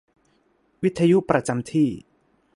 วิทยุประจำที่